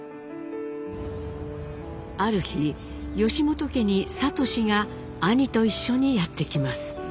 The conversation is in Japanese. ある日本家に智が兄と一緒にやってきます。